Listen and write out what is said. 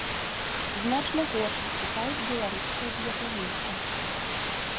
Значна горш выступаюць беларускія біятланісты.